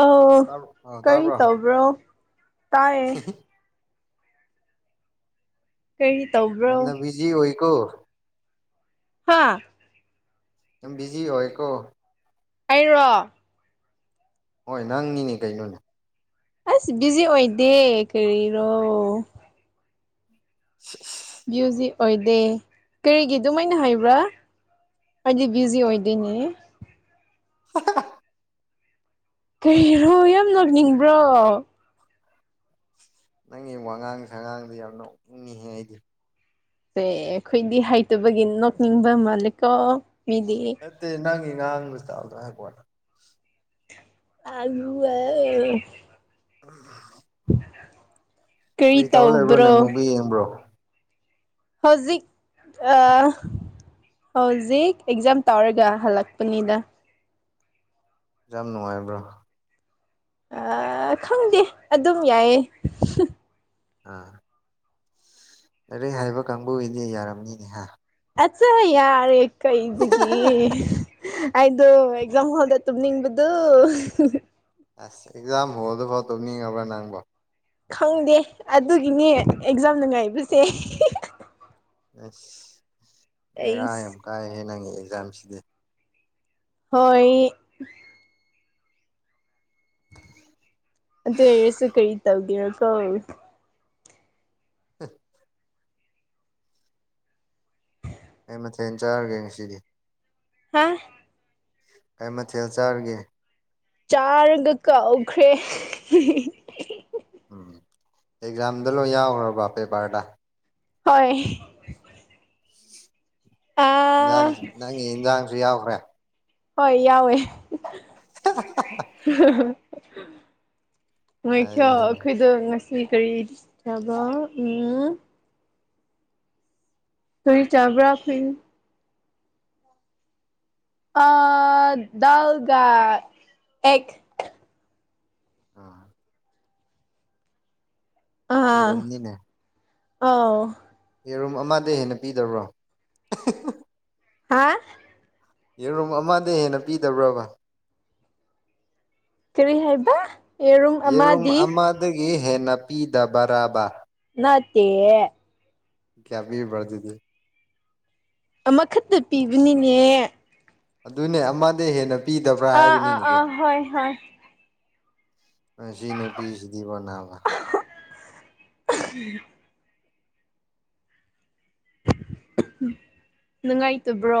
ꯑꯧ ꯑ ꯀꯔꯤ ꯇꯥꯕ꯭ꯔꯣ ꯇꯧꯕ꯭ꯔꯣ ꯇꯥꯏꯌꯦ ꯀꯩꯒꯤ ꯇꯧꯕ꯭ꯔꯣ ꯀꯣ ꯍꯥꯥ ꯌꯥꯝ ꯕꯤꯖꯤ ꯍꯣꯏꯌꯦꯀꯣ ꯑꯩꯔꯣ ꯍꯣꯏ ꯅꯪꯅꯤꯅꯦ ꯀꯩꯅꯣꯅꯦ ꯑ꯭ꯁ ꯕꯤꯖꯤ ꯑꯣꯏꯗꯦ ꯀꯔꯤꯔꯣ [unintelligible] ꯚ꯭ꯌꯨꯖꯤ ꯑꯣꯏꯗꯦ ꯀꯔꯤꯒꯤ ꯑꯗꯨꯃꯥꯏꯅ ꯍꯥꯏꯕ ꯑꯩꯗꯤ ꯕꯤꯖꯤ ꯑꯣꯏꯗꯦꯅꯦ [unintelligible] ꯀꯔꯤꯔꯣ ꯌꯥꯝ ꯅꯣꯛꯅꯤꯡꯕ꯭ꯔꯣ ꯅꯪꯒꯤ ꯋꯥꯉꯥꯡ ꯁꯉꯥꯡꯗꯣ ꯌꯥꯝ ꯅꯣꯛꯅꯤꯡꯉꯤꯍꯦ ꯑꯩꯗꯤ ꯁꯦ ꯑꯩꯈꯣꯏꯗꯤ ꯍꯩꯇꯕꯒꯤ ꯅꯣꯛꯅꯤꯡꯕ ꯃꯥꯜꯂꯦꯀꯣ ꯃꯤꯗꯤ ꯅꯠꯇꯦ ꯅꯪꯒꯤ ꯉꯥꯡꯕ ꯁꯇꯥꯢꯜꯗꯣ ꯍꯥꯏꯕꯋꯥꯅꯦ [unintelligible] [inaudible] ꯀꯔꯤ ꯇꯧꯔ ꯂꯩꯕ꯭ꯔꯣꯅꯦ ꯇꯧꯕ꯭ꯔꯣ ꯃꯨꯚꯤ ꯌꯦꯡꯕ꯭ꯔꯣ ꯍꯧꯖꯤꯛ ꯑ ꯍꯧꯖꯤꯛ ꯑꯦꯛꯖꯥꯝ ꯇꯧꯔꯒ ꯍꯜꯂꯛꯄꯅꯤꯗ ꯑꯦꯛꯖꯥꯝ ꯅꯨꯡꯉꯥꯏꯕ꯭ꯔꯣ ꯑꯥ ꯈꯪꯗꯦ ꯑꯗꯨꯝ ꯌꯥꯏꯌꯦ ꯑꯥ ꯂꯥꯏꯔꯤꯛ ꯍꯩꯕ ꯀꯥꯡꯕꯨꯒꯤꯗꯤ ꯌꯥꯔꯝꯅꯤꯅꯦ ꯍꯥ ꯑꯠꯆꯥ ꯌꯥꯔꯦ ꯀꯩꯗꯒꯤ ꯑꯩꯗꯣ ꯑꯦꯛꯖꯥꯝ ꯍꯣꯜꯗ ꯇꯨꯝꯅꯤꯡꯕ [unintelligible] ꯑ꯭ꯁ ꯑꯦꯛꯖꯥꯝ ꯍꯣꯜꯗꯐꯥꯎ ꯇꯨꯝꯅꯤꯡꯉꯕ꯭ꯔꯥ ꯅꯪꯕꯣ ꯈꯪꯗꯦ ꯑꯗꯨꯒꯤꯅꯦ ꯑꯦꯛꯖꯥꯝ ꯅꯨꯡꯉꯥꯏꯕꯁꯦ ꯑꯁ ꯕꯦꯔꯥ ꯌꯥꯝ ꯑꯩꯁ ꯀꯥꯏꯍꯦ ꯅꯪꯒꯤ ꯑꯦꯛꯖꯥꯝꯁꯤꯗꯤ ꯍꯣꯏ ꯑꯗꯨ ꯑꯣꯏꯔꯁꯨ ꯀꯔꯤ ꯇꯧꯒꯦꯔ ꯀꯣ ꯍ ꯀꯩ ꯃꯊꯦꯟ ꯆꯥꯔꯒꯦ ꯉꯁꯤꯗꯤ ꯍꯥ ꯀꯩ ꯃꯊꯦꯜ ꯆꯥꯔꯒꯦ ꯆꯥꯔꯒ ꯀꯥꯎꯈ꯭ꯔꯦ [unintelligible] ꯎꯝ ꯑꯦꯛꯖꯥꯝꯗ ꯂꯣꯏ ꯌꯥꯎꯒ꯭ꯔꯕ ꯄꯦꯄ꯭ꯔꯗ ꯍꯣꯏ ꯑ ꯏꯟꯖꯥꯡ ꯅꯪꯒꯤ ꯏꯟꯖꯥꯡꯁꯨ ꯌꯥꯎꯈ꯭ꯔꯦ ꯍꯣꯏ ꯌꯥꯎꯋꯦ [unintelligible] ꯉꯥꯢꯈꯤꯌꯣ ꯌꯥꯏꯌꯦ ꯑꯈꯣꯢꯗꯣ ꯉꯁꯤ ꯀꯔꯤ ꯆꯥꯕꯔꯥ ꯑꯝ ꯀꯔꯤ ꯆꯕ꯭ꯔꯥ [unintelligible] ꯑꯥ ꯗꯥꯜꯒ ꯑꯦꯛ ꯑꯥ ꯌꯦꯔꯨꯝꯅꯤꯅꯦ ꯑꯥꯎ ꯌꯦꯔꯨꯝ ꯑꯃꯗꯩ ꯍꯦꯟꯅ ꯄꯤꯗꯕ꯭ꯔꯣ [unintelligible] ꯍꯥ ꯌꯦꯔꯨꯝ ꯑꯃꯗꯩ ꯍꯦꯟꯅ ꯄꯤꯗꯕ꯭ꯔꯥꯕ ꯀꯔꯤ ꯍꯥꯏꯕ ꯌꯦꯔꯨꯝ ꯑꯃꯗꯤ ꯍꯦꯟꯅ ꯄꯤꯗꯕꯔꯕ ꯅꯠꯇꯦ ꯀꯌꯥ ꯄꯤꯔꯤꯕꯗꯨꯗꯤ ꯑꯃꯈꯠꯇ ꯄꯤꯕꯅꯤꯅꯦ ꯑꯗꯨꯅꯦ ꯑꯃꯗꯩ ꯍꯦꯟꯅ ꯄꯤꯗꯕ꯭ꯔꯥ ꯑꯥ ꯑꯥ ꯍꯥꯏꯕꯅꯤꯅꯦꯍꯦ ꯑꯥ ꯍꯣꯏ ꯍꯣꯏ ꯃꯁꯤ ꯅꯨꯄꯤꯁꯤꯗꯤꯕ ꯅꯥꯕ [unintelligible] ꯅꯨꯡꯉꯥꯏꯇꯕ꯭ꯔꯣ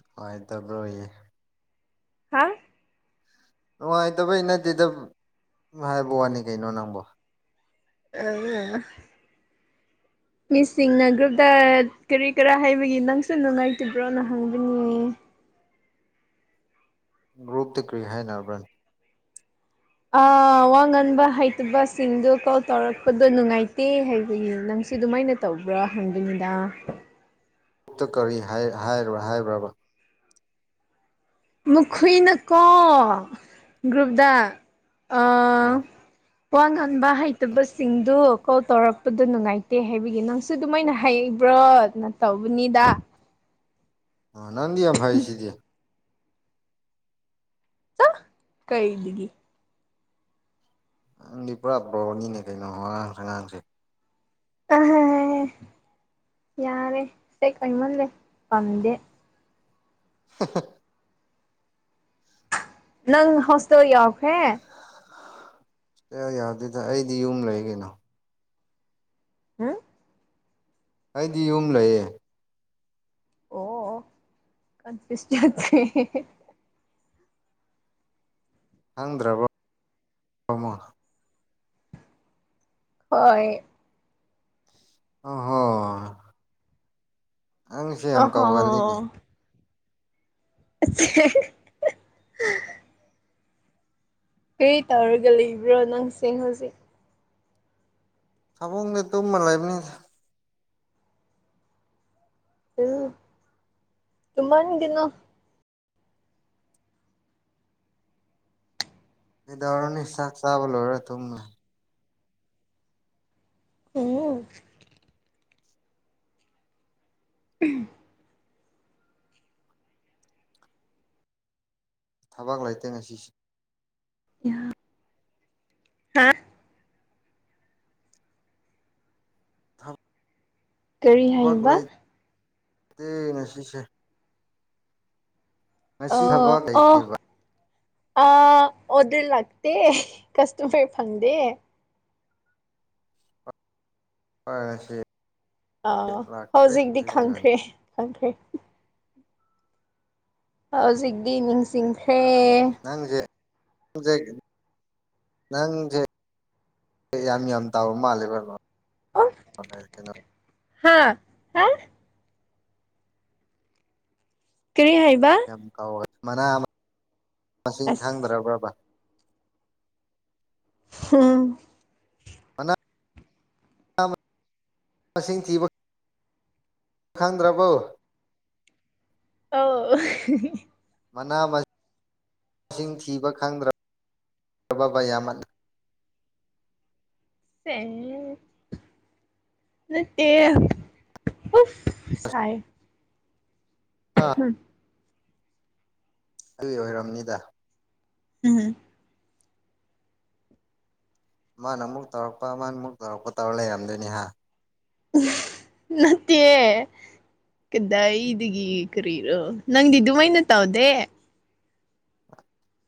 ꯅꯨꯡꯉꯥꯏꯇꯕ꯭ꯔꯣꯌꯦ ꯍꯥ ꯅꯨꯡꯉꯥꯏꯇꯕꯩ ꯅꯠꯇꯦꯗ ꯍꯥꯏꯕꯋꯥꯅꯤ ꯀꯩꯅꯣ ꯅꯪꯕꯣ [unintelligible] ꯃꯤꯁꯤꯡꯅ ꯒ꯭ꯔꯨꯞꯇ ꯀꯔꯤ ꯀꯔꯥ ꯍꯥꯏꯕꯒꯤ ꯅꯪꯁꯨ ꯅꯨꯡꯉꯥꯏꯇꯕ꯭ꯔꯣꯅ ꯍꯪꯕꯅꯦ ꯒ꯭ꯔꯨꯞꯇ ꯀ꯭ꯔꯤ ꯍꯥꯏꯅꯕ꯭ꯔ ꯑ ꯋꯥ ꯉꯟꯕ ꯍꯩꯇꯕꯁꯤꯡꯗꯨ ꯀꯣꯜ ꯇꯧꯔꯛꯄꯗꯣ ꯅꯨꯡꯉꯥꯏꯇꯦ ꯍꯥꯏꯕꯒꯤ ꯅꯪ ꯁꯤ ꯑꯗꯨꯃꯥꯏꯅ ꯇꯧꯕ꯭ꯔꯥ ꯍꯪꯕꯅꯤꯗ ꯇꯨ ꯀ꯭ꯔꯤ ꯍꯥꯏ ꯍꯥꯏꯔꯣꯏ ꯍꯥꯏꯕ꯭ꯔꯕ ꯃꯨꯈꯨꯨꯏꯅꯀꯣ ꯒ꯭ꯔꯨꯞꯗ ꯑꯥ ꯋꯥ ꯉꯥꯟꯕ ꯍꯩꯇꯕꯁꯤꯡꯗꯨ ꯀꯣꯜ ꯇꯧꯔꯛꯄꯗꯨ ꯅꯨꯡꯉꯥꯏꯇꯦ ꯍꯥꯏꯕꯒꯤ ꯅꯪꯁꯨ ꯑꯗꯨꯃꯥꯏꯅ ꯍꯩꯕ꯭ꯔꯥ [unintelligible] ꯅ ꯇꯧꯕꯅꯤꯗꯥ ꯅꯪꯗꯤ ꯌꯥꯝ ꯍꯩꯁꯤꯗꯤ ꯆꯣ ꯀꯩꯗꯒꯤ ꯅꯪꯗꯤ ꯄꯨꯔꯥ ꯄ꯭ꯔꯣꯅꯤꯅꯦ ꯀꯩꯅꯣ ꯋꯉꯥꯡ ꯁꯉꯥꯡꯁꯦ [unintelligible] ꯌꯥꯔꯦ [unintelligible] [unintelligible] ꯅꯪ ꯍꯣꯁꯇꯦꯜ ꯌꯥꯎꯈ꯭ꯔꯦ ꯌꯥ ꯌꯥꯗꯦꯗ ꯑꯩꯗꯤ ꯌꯨꯝ ꯂꯩꯒꯩꯅꯣ ꯍꯝ ꯑꯩꯗꯤ ꯌꯨꯝ ꯂꯩꯌꯦ ꯑꯣꯑꯣꯑꯣ [unintelligible] ꯈꯪꯗ꯭ꯔꯕꯣ [unintelligible] ꯍꯣꯏ [unintelligible] ꯅꯪꯁꯦ ꯌꯥꯝ ꯑꯍꯣ ꯀꯥꯎꯒꯜꯂꯤꯅꯦ [unintelligible] ꯀꯔꯤ ꯇꯧꯔꯒ ꯂꯩꯕ꯭ꯔꯣ ꯅꯪꯁꯦ ꯍꯧꯖꯤꯛ ꯐꯃꯨꯡꯗ ꯇꯨꯔ ꯂꯩꯕꯅꯤꯗ ꯎꯝ ꯇꯨꯃꯟꯒꯤꯅꯨ ꯀꯩꯗꯧꯔꯨꯅꯤ ꯆꯥꯛ ꯆꯥꯕꯂꯣꯏꯔ ꯇꯨꯝꯃ [unintelligible] [unintelligible] ꯊꯕꯛ ꯂꯩꯇꯦ ꯉꯁꯤꯁꯤ ꯌꯥ ꯍꯥ [unintelligible] ꯀꯔꯤ ꯍꯥꯏꯕ ꯇꯦ ꯉꯥꯁꯤꯁꯦ ꯑꯣ ꯊꯕꯛ ꯑꯣ ꯂꯩꯇꯦꯕ ꯑꯥ ꯑꯣꯗꯤꯠ ꯂꯥꯛꯇꯦ ꯀ꯭ꯁꯇꯝꯃ꯭ꯔ ꯐꯪꯗꯦ [inaudible] ꯑꯥ ꯂꯥꯛꯇ꯭ꯔꯦ ꯍꯧꯖꯤꯛꯇꯤ ꯍꯧꯖꯤꯛ ꯈꯪꯈ꯭ꯔꯦ ꯈꯪꯈ꯭ꯔꯦ ꯍꯧꯖꯤꯛꯗꯤ ꯅꯤꯡꯁꯤꯡ ꯈ꯭ꯔ [inaudible] ꯌꯥꯝ ꯌꯥꯝ ꯇꯥꯎꯕ ꯃꯥꯜꯂꯦ [unintelligible] ꯍꯥꯥ ꯍꯥ ꯀꯔꯤ ꯍꯥꯏꯕ ꯌꯥꯝ ꯀꯥꯎꯋꯦ ꯃꯅꯥ ꯃꯁꯤꯡ ꯑꯁ ꯈꯪꯗ꯭ꯔꯕꯕ ꯎꯝ ꯃꯅꯥ [inaudible] ꯈꯪꯗ꯭ꯔꯕꯣ ꯑꯧ [unintelligible] ꯃꯅꯥ ꯃꯁꯤꯡ ꯊꯤꯕ ꯈꯪꯗ꯭ꯔ ꯑꯕꯥꯕꯥ ꯌꯥꯝ [unintelligible] [unintelligible] ꯅꯠꯇꯦ ꯎꯁ ꯁꯥꯏ ꯌꯦ ꯍꯥꯥ ꯑꯩ ꯑꯣꯏꯔꯝꯅꯤꯗ ꯎꯝ ꯃꯥꯅ ꯑꯃꯨꯛ ꯇꯧꯔꯛꯄ ꯃꯥꯅ ꯑꯃꯨꯛ ꯇꯧꯔꯛꯄ ꯇꯧꯔ ꯂꯩꯔꯝꯗꯣꯏꯅꯤꯍ ꯅꯠꯇꯦꯌꯦ ꯀꯗꯥꯏꯗꯒꯤ ꯀꯔꯤꯔꯣ ꯅꯪꯗꯤ ꯑꯗꯨꯃꯥꯏꯅ ꯇꯧꯗꯦ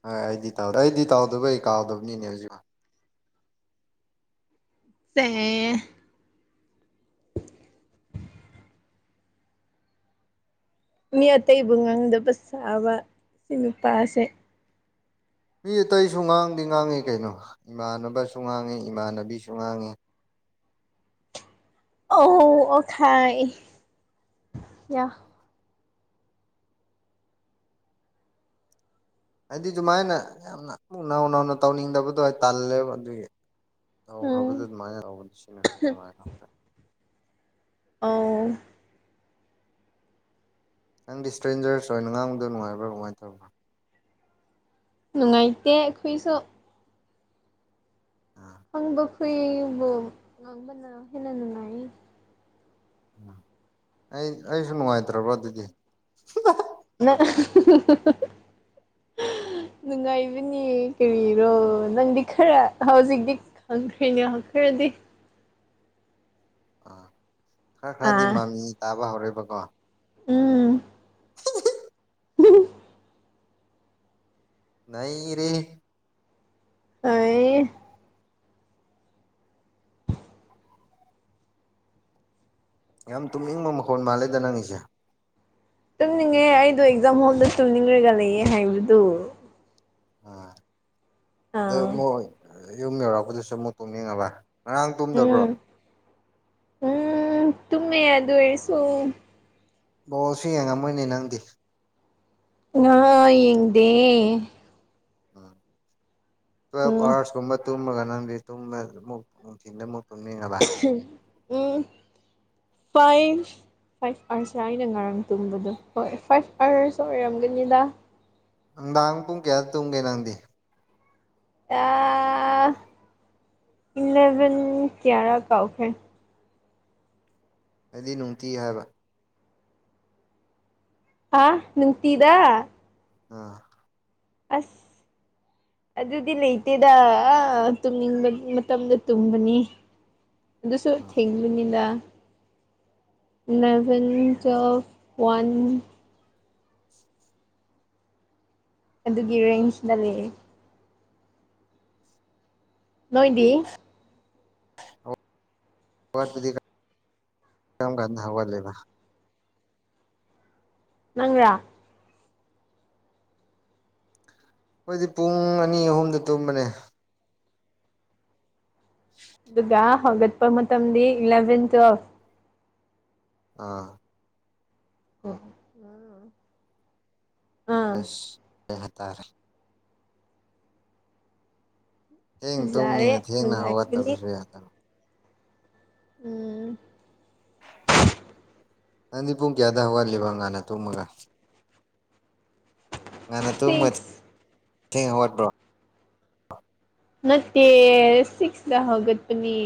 ꯍꯣꯏ ꯑꯩꯗꯤ ꯇꯥꯎꯗꯦ ꯑꯩꯗꯤ ꯇꯥꯎꯗꯕꯩ ꯀꯥꯎꯗꯕꯅꯤꯅꯦ ꯍꯧꯖꯤꯛꯐꯧ ꯁꯦ [unintelligible] ꯃꯤ ꯑꯇꯩꯕꯨ ꯉꯡꯗꯕ ꯁꯥꯕ ꯁꯤ ꯅꯨꯄꯥꯁꯦ ꯃꯤ ꯑꯇꯩꯁꯨ ꯉꯥꯡꯗꯤ ꯉꯥꯡꯉꯤ ꯀꯩꯅꯣ ꯏꯃꯥꯟꯅꯕꯁꯨ ꯉꯥꯡꯉꯤ ꯏꯃꯥꯟꯅꯕꯤꯁꯨ ꯉꯥꯡꯉꯤ ꯑꯣ ꯑꯣ ꯈꯥꯏ ꯌꯥ ꯍꯥꯏꯗꯤ ꯑꯗꯨꯃꯥꯏꯅ ꯌꯥꯝꯅ ꯑꯃꯨꯛ ꯅꯧ ꯅꯧꯅ ꯇꯧꯅꯤꯡꯗꯕꯗꯣ ꯑꯩ ꯇꯜꯂꯦꯕ ꯑꯗꯨꯒꯤ ꯇꯧꯈ꯭ꯔꯕꯗ ꯎꯝ ꯑꯗꯨꯃꯥꯏꯅ ꯇꯧꯕꯗ ꯁꯤꯅ ꯅꯨꯡꯉꯥꯏꯍꯥ ꯑ ꯅꯪꯗꯤ ꯏꯁꯇ꯭ꯔꯦꯟꯖꯔꯁ ꯑꯣꯏꯅ ꯉꯥꯡꯕꯗꯣ ꯅꯨꯡꯉꯥꯏꯕ꯭ꯔꯥ ꯀꯃꯥꯏꯅ ꯇꯧꯕ꯭ꯔꯥ ꯅꯨꯡꯉꯥꯏꯇꯦ ꯑꯩꯈꯣꯏꯁꯨ ꯑꯥ [unintelligible] ꯎꯝ ꯑꯩ ꯑꯩꯁꯨ ꯅꯨꯡꯉꯥꯏꯇ꯭ꯔꯕ꯭ꯔꯣ ꯑꯗꯨꯗꯤ [unintelligible] ꯅꯨꯡꯉꯥꯏꯕꯅꯦ ꯀꯔꯤꯔꯣ ꯅꯪꯗꯤ ꯈꯔ ꯍꯧꯖꯤꯛꯇꯤ ꯈꯪꯈ꯭ꯔꯦꯅꯦꯈ꯭ꯔꯗꯤ [unintelligible] ꯑꯥ ꯈꯔ ꯈꯔꯗꯤ ꯑꯥ ꯃꯃꯤ ꯇꯥꯕ ꯍꯧꯔꯦꯕꯀꯣ ꯎꯝ ꯅꯩꯔꯦ [unintelligible] ꯌꯥꯝ ꯇꯨꯝꯅꯤꯡꯕ ꯃꯈꯣꯟ ꯃꯥꯜꯂꯦꯗ ꯅꯪꯒꯤꯁꯦ ꯇꯨꯝꯅꯤꯡꯉꯦ ꯑꯩꯗꯣ ꯑꯦꯛꯖꯥꯝ ꯍꯣꯜꯗ ꯇꯨꯝꯅꯤꯡꯉꯥꯒ ꯂꯩꯌꯦ ꯍꯥꯏꯕꯗꯨ ꯑꯗꯨ ꯑꯥ ꯑꯃꯨꯛ ꯌꯨꯝ ꯌꯧꯔꯛꯄꯗꯁꯨ ꯑꯃꯨꯛ ꯇꯨꯝꯅꯤꯡꯉꯕ ꯉꯔꯥꯡ ꯇꯨꯝꯗꯕ꯭ꯔꯣ ꯎꯝ ꯎꯝ ꯇꯨꯝꯃꯦ ꯑꯗꯨ ꯑꯣꯏꯁꯨ ꯕꯣꯜꯁꯨ ꯌꯦꯡꯉꯝꯃꯣꯏꯅꯦ ꯅꯪꯗꯤ ꯌꯦꯡꯗꯦ ꯎꯝ [unintelligible] ꯇꯨꯝꯃꯒ ꯅꯪꯗꯤ ꯇꯨꯝꯕ ꯑꯃꯨꯛ ꯅꯨꯡꯊꯤꯜꯗ ꯑꯃꯨꯛ ꯇꯨꯝꯅꯤꯡ ꯑꯕ ꯎꯝ ꯐꯥꯏꯟ ꯐꯥꯏꯚ ꯑꯥꯔ ꯑꯩꯅ ꯉꯔꯥꯡ ꯇꯨꯝꯕꯗꯣ ꯍꯣꯏ ꯐꯥꯏꯚ ꯑꯥꯋꯔꯁ ꯑꯣꯏꯔꯝꯒꯅꯤꯗ ꯅꯨꯡꯗꯥꯡ ꯄꯨꯡ ꯀꯌꯥ ꯗ ꯇꯨꯝꯒꯦ ꯅꯪꯗꯤ [unintelligible] ꯏꯂꯚꯦꯟ ꯀ꯭ꯌꯥꯔꯥ ꯀꯥꯎꯈꯔꯦ ꯑꯩꯗꯤ ꯅꯨꯡꯇꯤ ꯍꯥꯏꯕ ꯑꯥ ꯅꯨꯡꯇꯤꯗ ꯑꯥ ꯑꯁ ꯑꯗꯨꯗꯤ ꯂꯩꯇꯦꯗ ꯇꯨꯝꯅꯤꯡꯕ ꯃꯇꯝꯗ ꯇꯨꯝꯕꯅꯤ ꯑꯗꯨꯁꯨ ꯑꯥ ꯊꯦꯡꯕꯅꯤꯅ ꯏꯂꯦꯚꯦꯟ ꯇꯨꯋꯦꯜꯐ ꯋꯥꯟ ꯑꯗꯨꯒꯤ ꯔꯦꯟꯖꯅ ꯂꯩ [unintelligible] ꯅꯣꯏꯗꯤ [inaudible] ꯅꯪꯔꯥ ꯑꯩꯈꯣꯏꯗꯤ ꯄꯨꯡ ꯑꯅꯤ ꯑꯍꯨꯝꯗ ꯇꯨꯝꯕꯅꯦ ꯑꯗꯨꯒ ꯍꯧꯒꯠꯄ ꯃꯇꯝꯗꯤ ꯏꯂꯦꯕꯦꯟ ꯇꯨꯋꯦꯐ ꯑꯥ ꯫ [inaudible] [inaudible] ꯊꯦꯡ ꯐꯖꯔꯦ ꯇꯨꯝꯅꯤꯅ ꯊꯦꯡꯅ ꯅꯨꯡꯉꯥꯏꯒꯅꯤ ꯍꯧꯒꯠꯇꯕꯁꯨ ꯌꯥꯗꯕ ꯎꯝ ꯅꯪꯗꯤ ꯄꯨꯡ ꯀꯌꯥꯗ ꯍꯧꯒꯠꯂꯤꯕ ꯉꯟꯅ ꯊꯨꯝꯃꯒ ꯉꯟꯅ ꯇꯨꯝꯃ ꯁꯤꯛꯁ ꯊꯦꯡꯅ ꯍꯧꯒꯠꯄ꯭ꯔꯣ [inaudible] ꯅꯠꯇꯦ ꯁꯤꯛꯁꯇ ꯍꯧꯒꯠꯄꯅꯤ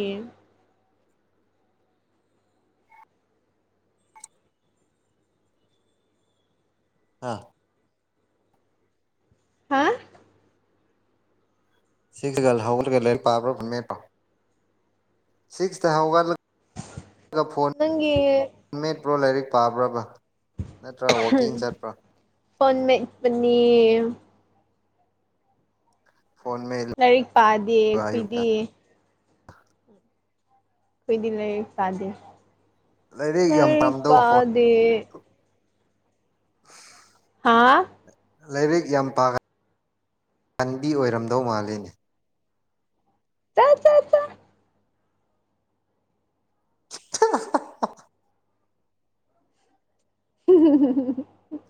ꯍꯥꯥ ꯍꯥ ꯁꯤꯛꯁ ꯍꯧꯒꯠꯂꯒ ꯂꯥꯏꯔꯤꯛ ꯄꯕ꯭ꯔꯣ ꯐꯣꯟ ꯃꯦꯠꯄꯔꯣ [inaudible] ꯅꯪꯒꯤ ꯐꯣꯟꯃꯦꯠ ꯄ꯭ꯔꯣ ꯂꯥꯏꯔꯤꯛ ꯄꯥꯕ꯭ꯔꯕꯥ [inaudible] ꯐꯣꯟ ꯃꯦꯠꯄꯅꯤ ꯐꯣꯟ ꯃꯦꯠꯂꯤꯕ ꯂꯥꯏꯔꯤꯛ ꯄꯥꯗꯦ ꯑꯌꯨꯛꯇ ꯑꯩꯈꯣꯏꯗꯤ [inaudible] ꯑꯩꯈꯣꯏꯗꯤ ꯂꯩꯥꯏꯔꯤꯛ ꯄꯥꯗꯦ ꯂꯥꯏꯔꯤꯛ ꯌꯥꯝ ꯂꯩꯥꯏꯔꯤꯛ ꯄꯥꯝꯗꯧ ꯐꯣꯟ ꯄꯥꯗꯦ [inaudible] ꯍꯥꯥ ꯂꯥꯏꯔꯤꯛ ꯌꯥꯝ ꯄꯥꯒꯟꯕꯤ ꯑꯣꯏꯔꯝꯗꯧ ꯃꯥꯜꯂꯤꯅꯦ ꯆꯥ ꯆꯥ ꯆꯥ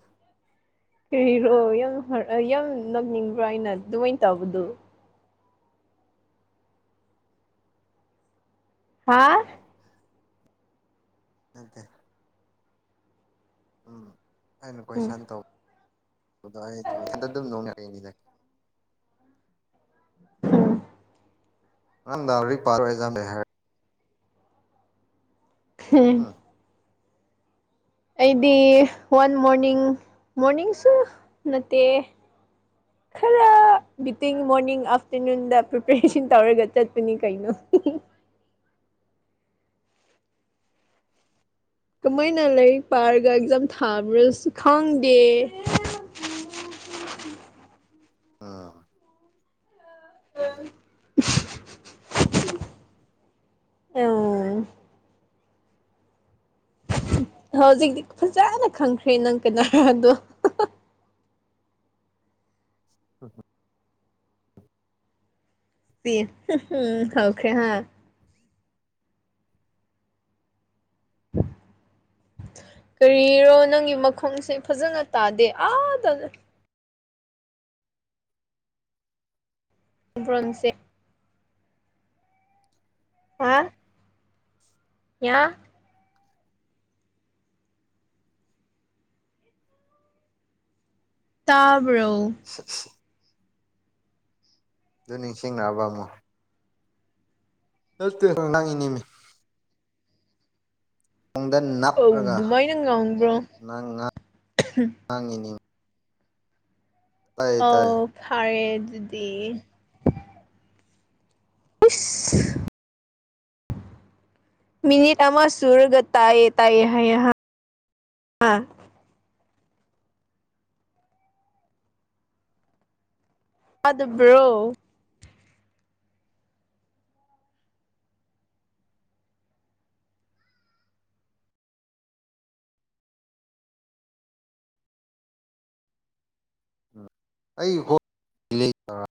[inaudible] ꯀꯔꯤꯔꯣ ꯌꯥꯝ ꯌꯥꯝ ꯅꯣꯛꯅꯤꯡꯕ꯭ꯔꯥ ꯑꯩꯅ ꯑꯗꯨꯃꯥꯏꯅ ꯇꯧꯕꯗꯣ [unintelligible] ꯍꯥꯥ [inaudible] ꯎꯝ ꯑꯩꯅ ꯎꯝ ꯀꯣꯏꯁꯟ ꯇꯧꯕ [inaudible] [inaudible] ꯑꯝꯗꯥꯔꯤ ꯄꯥꯔꯣ ꯑꯦꯛꯖꯦꯝ ꯂꯩ ꯍꯥꯏꯔ [unintelligible] ꯍꯝ ꯎꯝ [unintelligible] ꯑꯩꯗꯤ ꯋꯥꯟ ꯃꯣꯔꯅꯤꯡ ꯃꯣꯔꯅꯤꯡꯁꯨ ꯅꯠꯇꯦ ꯈꯔ ꯕꯤꯇꯤꯡ ꯃꯣꯔꯅꯤꯡ ꯑꯥꯐꯇꯔꯅꯨꯟꯗ ꯄ꯭ꯔꯤꯄꯦꯔꯦꯁꯟ ꯇꯧꯔꯒ ꯆꯠꯄꯅꯤ ꯀꯩꯅꯣ [inaudible] ꯀꯃꯥꯏꯅ ꯂꯥꯏꯔꯤꯛ ꯄꯥꯔꯒ ꯑꯦꯛꯖꯥꯝ ꯊꯥꯕ꯭ꯔꯁꯨ ꯈꯪꯗꯦ ꯎꯝ [inaudible] ꯑꯥ ꯎꯝ ꯍꯧꯖꯤꯛꯇꯤ ꯐꯖꯅ ꯈꯪꯈ꯭ꯔꯦ ꯅꯪ ꯀꯅꯥꯔꯥ ꯍꯥꯢꯕꯗꯨ [unintelligible] ꯑꯦ ꯍꯝꯍꯝ ꯍꯥꯈ꯭ꯔꯦ ꯍꯥ [inaudible] ꯀꯔꯤꯔꯣ ꯅꯪꯒꯤ ꯃꯈꯣꯡꯁꯦ ꯐꯖꯅ ꯇꯥꯗꯦ ꯑꯥꯗ ꯂꯩ ꯕ꯭ꯔꯣꯟꯁꯦ ꯍꯥ ꯌꯥ ꯇꯥꯕ꯭ꯔꯣ ꯗꯨ ꯅꯤꯡꯁꯤꯡꯉꯛꯑꯕ ꯑꯃꯨꯛ ꯅꯠꯇꯦ ꯅꯪꯒꯤꯅꯤꯃꯤ ꯀꯣꯡꯗ ꯑꯧ ꯅꯞꯔꯒ ꯑꯗꯨꯃꯥꯏꯅ ꯉꯥꯡꯕ꯭ꯔꯣ ꯅꯪ ꯉꯥꯡ ꯉꯥꯡꯉꯤꯅꯤ ꯇꯥꯏꯌꯦ ꯇꯥꯏꯌꯦ ꯑꯧ ꯐꯔꯦ ꯑꯗꯨꯗꯤ ꯢꯁ ꯃꯤꯅꯤꯠ ꯑꯃ ꯁꯨꯔꯒ ꯇꯥꯏꯌꯦ ꯇꯥꯏꯌꯦ ꯍꯥꯏꯌꯦ ꯍꯥ ꯑꯗꯨꯕꯨꯔꯣ ꯎꯝ ꯑꯩ ꯍꯣ [unintelligible]